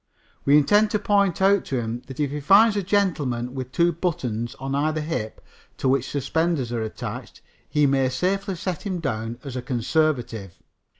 We intend to point out to him that if he finds a gentleman with two buttons on either hip to which suspenders are attached, he may safely set him down as a conservative.